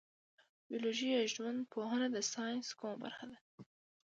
بیولوژي یا ژوند پوهنه د ساینس کومه برخه ده